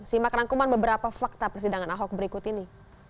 simak rangkuman beberapa fakta persidangan ahok berikut ini